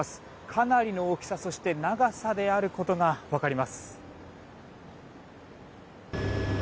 かなりの大きさ、そして長さであることが分かります。